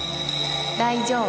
大丈夫？